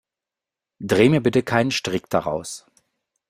Dreh mir bitte keinen Strick daraus.